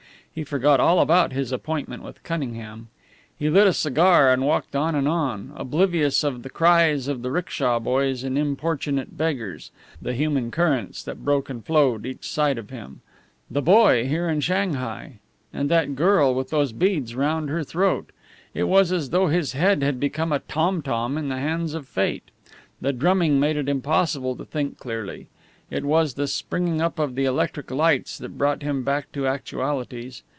He forgot all about his appointment with Cunningham. He lit a cigar and walked on and on, oblivious of the cries of the 'ricksha boys, importunate beggars, the human currents that broke and flowed each side of him. The boy here in Shanghai! And that girl with those beads round her throat! It was as though his head had become a tom tom in the hands of fate. The drumming made it impossible to think clearly. It was the springing up of the electric lights that brought him back to actualities.